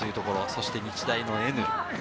そして日大のＮ。